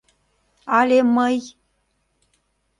Але мый?!